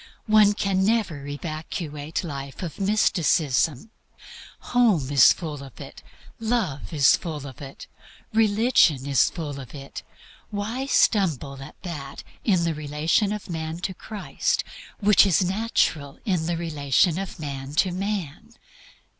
One can never evacuate life of mysticism. Home is full of it, love is full of it, religion is full of it. Why stumble at that in the relation of man to Christ which is natural in the relation of man to man?